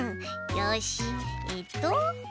よしえっと。